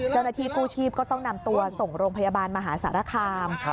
เจ้าหน้าที่กู้ชีพก็ต้องนำตัวส่งโรงพยาบาลมหาสารคาม